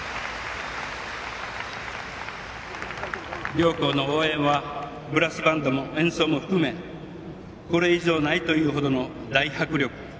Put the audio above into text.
両校の応援はブラスバンドも演奏も含めこれ以上ないというほどの大迫力。